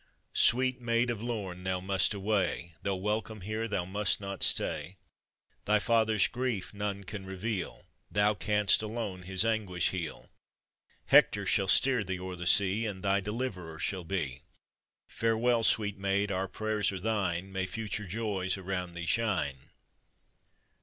"Sweet Maid of Lorn, thou must away. Though welcome here, thou must not stay; Thy father's grief none can reveal, Thou can'st alone his anguish heal ; Hector shall steer thee o'er the sea, And thy deliverer shall be. Farewell, sweet maid, our prayers are thine, May future joys around thee shine!